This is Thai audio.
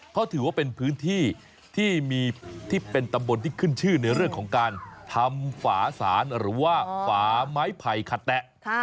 เขาถือว่าเป็นพื้นที่ที่มีที่เป็นตำบลที่ขึ้นชื่อในเรื่องของการทำฝาสารหรือว่าฝาไม้ไผ่ขัดแตะ